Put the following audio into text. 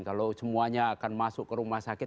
kalau semuanya akan masuk ke rumah sakit